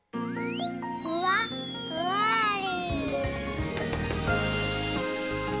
ふわっふわり。